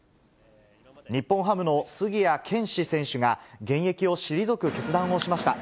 日本ハムの杉谷拳士選手が現役を退く決断をしました。